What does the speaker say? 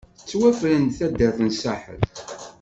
Tettwafren-d taddart n Saḥel.